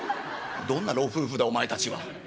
「どんな老夫婦だお前たちは。